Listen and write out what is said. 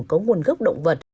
có nguồn gốc động vật